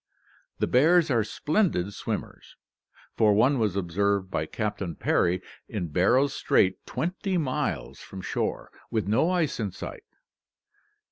The bears are splendid swimmers, for one was observed by Captain Parry in Barrows Strait 20 miles from shore, with no ice in sight.